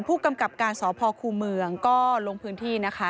ผู้กำกับการสพคูเมืองก็ลงพื้นที่นะคะ